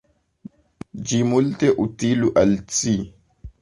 Ĝi multe utilu al ci!